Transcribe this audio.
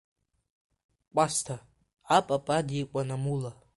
Кәасҭа, апап, адикәан, амула.